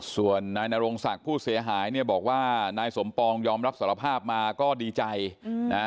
ส่วนนายนรงศักดิ์ผู้เสียหายเนี่ยบอกว่านายสมปองยอมรับสารภาพมาก็ดีใจนะ